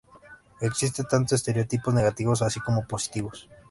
Existe tanto estereotipos negativos así como positivos.